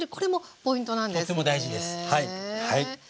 とても大事ですはい。